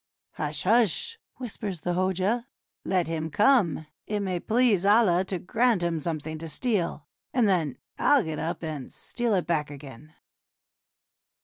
"Hush, hush!" whispers the Hoja. "Let him come; it may please Allah to grant him some thing to steal, and then I'll get up and steal it back again."